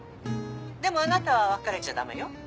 でもあなたは別れちゃダメよ。